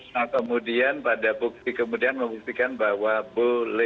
nah kemudian pada bukti kemudian membuktikan bahwa boleh